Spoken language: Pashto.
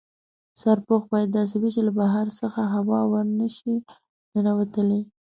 سرپوښ باید داسې وي چې له بهر څخه هوا ور نه شي ننوتلای.